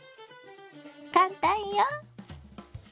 簡単よ！